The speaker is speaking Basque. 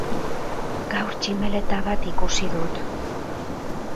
Gaur tximeleta bat ikusi dut.